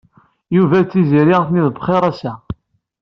Yuba d Tiziri atni bxir ass-a.